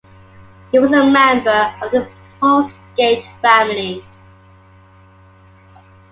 He was a member of the Postgate family.